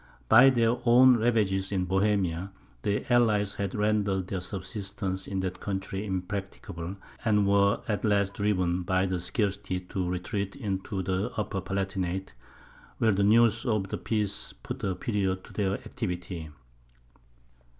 By their own ravages in Bohemia, the allies had rendered their subsistence in that country impracticable, and were at last driven by scarcity to retreat into the Upper Palatinate, where the news of the peace put a period to their activity.